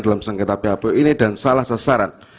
dalam sengketa phpu ini dan salah sasaran